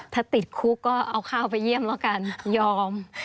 ถ้าติดคุกก็เอาข้าวไปเยี่ยมแล้วกันยอม